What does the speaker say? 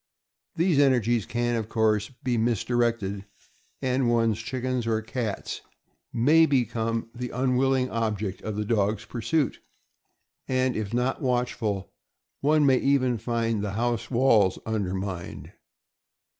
These energies can, of course, be misdirected, 2and one's chickens or cats may become the 402 THE AMERICAN BOOK OF THE DOG. unwilling objects of the dog's pursuit; and, if not watchful, one may even find the house walls undermined.